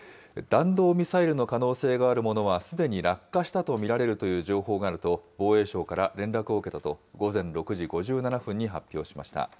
弾道ミサイルの可能性があるものは、すでに落下したと見られるという情報があると、防衛省から連絡を受けたと、午前６時５７分に発表しました。